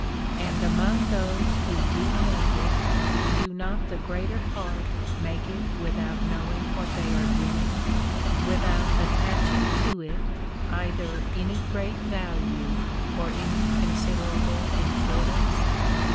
And among those who do make it, do not the greater part make it without knowing what they are doing, without attaching to it either any great value, or any considerable import ance?